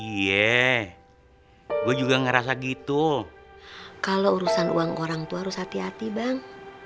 iya gue juga ngerasa gitu kalau urusan uang orangtu harus hati hati bang